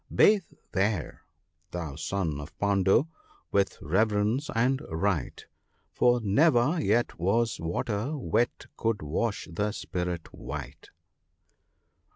Bathe there, thou son of Pandu !( l12 ) with reverence and rite, For never yet was water wet could wash the spirit white."